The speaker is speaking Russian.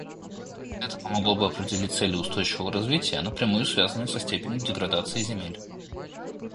Это помогло бы определить цели устойчивого развития, напрямую связанные со степенью деградации земель.